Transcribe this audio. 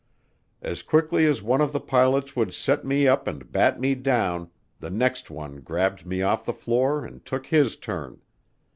As quickly as one of the pilots would set me up and bat me down, the next one grabbed me off the floor and took his turn.